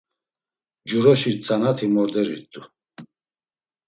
Juroşi tzanati morderirt̆u.